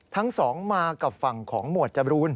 ทั้งสองมากับฝั่งของหมวดจบรูน